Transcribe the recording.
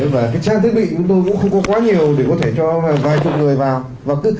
và cái trang thiết bị của tôi cũng không có quá nhiều để có thể cho vài chục người vào